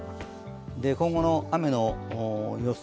今後の雨の予想。